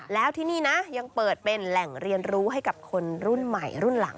แล้วที่นี่นะยังเปิดเป็นแหล่งเรียนรู้ให้กับคนรุ่นใหม่รุ่นหลัง